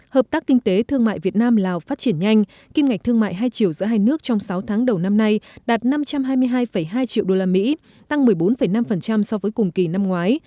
hợp tác kinh tế thương mại việt nam lào phát triển nhanh kim ngạch thương mại hai triệu giữa hai nước trong sáu tháng đầu năm nay đạt năm trăm hai mươi hai hai triệu usd tăng một mươi bốn năm so với cùng kỳ năm ngoái